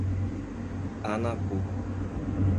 Anapu